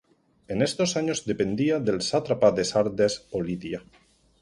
En estos años dependía del sátrapa de Sardes o Lidia.